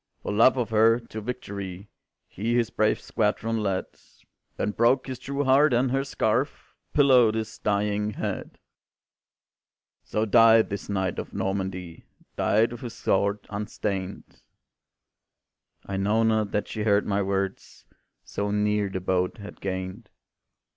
"For love of her, to victory He his brave squadron led, Then broke his true heart, and her scarf Pillowed his dying head. "So died this knight of Normandy, Died with his sword unstained;" I know not that she heard my words, So near the boat had gained.